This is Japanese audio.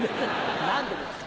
何でですか！